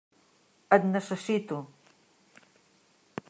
Et necessito!